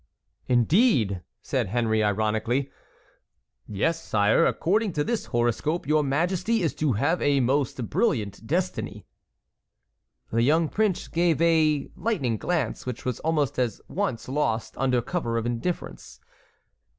"Indeed!" said Henry, ironically. "Yes, sire; according to this horoscope your majesty is to have a most brilliant destiny." The young prince gave a lightning glance which was almost at once lost under cover of indifference.